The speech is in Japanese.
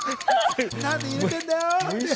何で入れているんだよ。